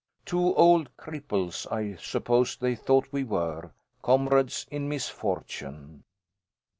Two old cripples, I suppose they thought we were, comrades in misfortune.